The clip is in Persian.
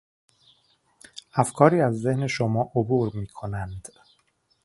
افکاری از ذهن شما عبور میکنند